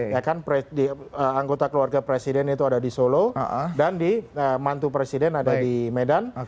ya kan anggota keluarga presiden itu ada di solo dan di mantu presiden ada di medan